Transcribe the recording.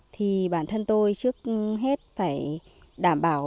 thì bản thân tôi trước hết phải đảm bảo